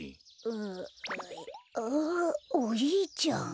んあっおじいちゃん。